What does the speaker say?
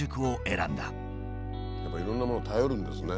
やっぱいろんなものを頼るんですね。